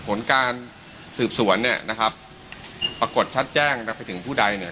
ผลการสืบสวนเนี่ยนะครับปรากฏชัดแจ้งไปถึงผู้ใดเนี่ย